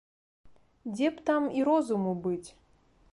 Дзе б там і розуму быць?!